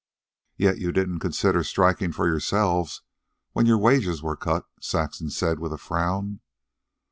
"Yet you didn't consider striking for yourselves when your wages were cut," Saxon said with a frown.